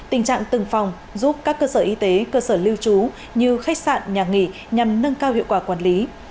tình trạng từng phòng giúp các cơ sở y tế cơ sở lưu trú như khách sạn nhà nghỉ nhằm nâng cao hiệu quả quản lý